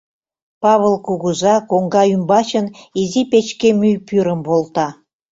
Павыл кугыза коҥга ӱмбачын изи печке мӱй пӱрым волта.